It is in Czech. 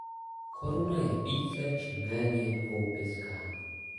Koruna je více či méně dvoupyská.